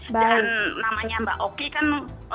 namanya mbak oki kan